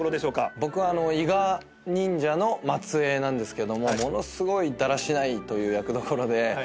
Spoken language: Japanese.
僕は伊賀忍者の末裔なんですけどもものすごいだらしないという役どころで。